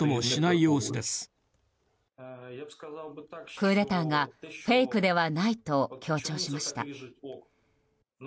クーデターがフェイクではないと強調しました。